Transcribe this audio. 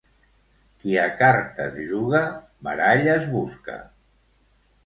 Qui a cartes juga, baralles busca.